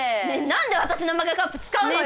何で私のマグカップ使うのよ！